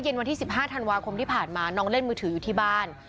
วันที่๑๕ธันวาคมที่ผ่านมาน้องเล่นมือถืออยู่ที่บ้าน